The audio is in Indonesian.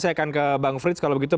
saya akan ke bang frits kalau begitu